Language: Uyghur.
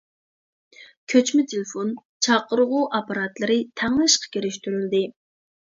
كۆچمە تېلېفون، چاقىرغۇ ئاپپاراتلىرى تەڭلا ئىشقا كىرىشتۈرۈلدى.